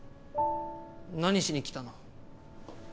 何しに来たの？